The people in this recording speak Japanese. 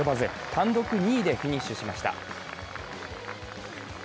単独２位でフィニッシュしました。